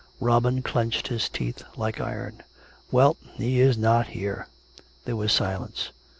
(Robin clenched his teeth like iron.) " Well, he is not here." There was silence.